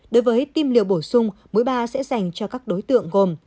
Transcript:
đối với tiêm liều bổ sung mũi ba sẽ dành cho các đối tượng gồm